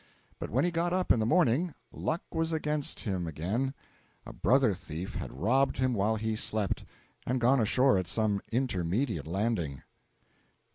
But when he got up in the morning, luck was against him again: A brother thief had robbed him while he slept, and gone ashore at some intermediate landing.